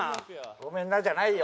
「ごめんな」じゃないよ。